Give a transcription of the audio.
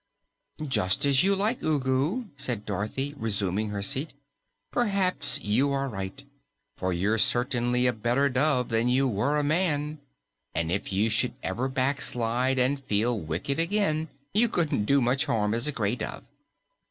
"Just as you like, Ugu," said Dorothy, resuming her seat. "Perhaps you are right, for you're certainly a better dove than you were a man, and if you should ever backslide an' feel wicked again, you couldn't do much harm as a gray dove."